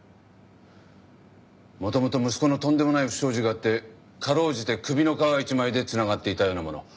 元々息子のとんでもない不祥事があって辛うじて首の皮一枚で繋がっていたようなもの。